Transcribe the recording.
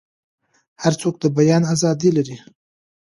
هر څوک د بیان ازادي لري.